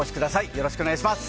よろしくお願いします。